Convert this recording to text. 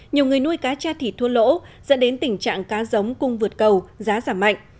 nhiều người nuôi cá tra thịt thua lỗ dẫn đến tình trạng cá giống cung vượt cầu giá giảm mạnh